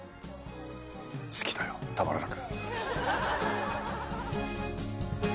好きだよたまらなく。